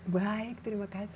baik terima kasih